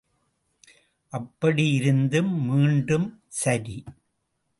அப்படி யிருந்தும் மீண்டும், சரி.